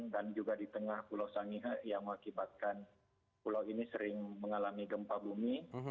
dan juga di tengah pulau sangiha yang mengakibatkan pulau ini sering mengalami gempa bumi